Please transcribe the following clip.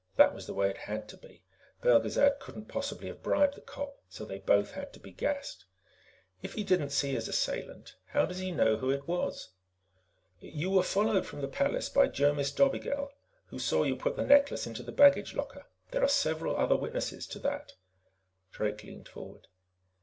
That was the way it had to be. Belgezad couldn't possibly have bribed the cop, so they both had to be gassed. "If he didn't see his assailant, how does he know who it was?" "You were followed from the palace by Jomis Dobigel, who saw you put the necklace into the baggage locker. There are several other witnesses to that." Drake leaned forward.